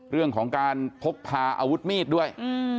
เรื่องของการพกพาอาวุธมีดด้วย